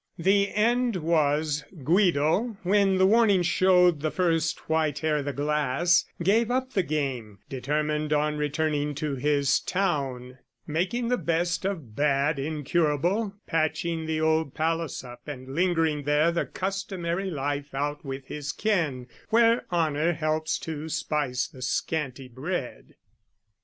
The end was, Guido, when the warning showed, The first white hair i' the glass, gave up the game, Determined on returning to his town, Making the best of bad incurable Patching the old palace up and lingering there The customary life out with his kin, Where honour helps to spice the scanty bread.